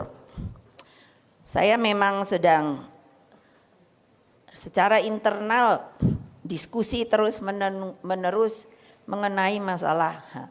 hai saya memang sedang hai secara internal diskusi terus menenung menerus mengenai masalah